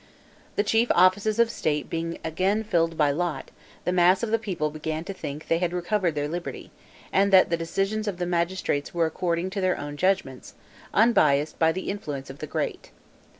The chief offices of state being again filled by lot, the mass of the people began to think they had recovered their liberty, and that the decisions of the magistrates were according to their own judgments, unbiased by the influence of the Great.